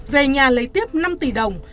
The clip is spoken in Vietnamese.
về nhà lấy tiếp năm tỷ đồng